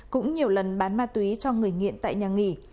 cũng nhiều lần bán ma túy cho người nghiện tại nhà nghỉ